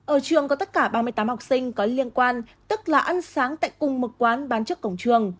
ở trường có tất cả ba mươi tám học sinh có liên quan tức là ăn sáng tại cùng một quán bán trước cổng trường